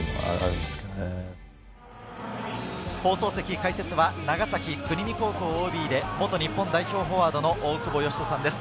解説は長崎・国見高校ＯＢで元日本代表・フォワードの大久保嘉人さんです。